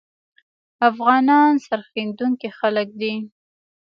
افغانان سرښندونکي خلګ دي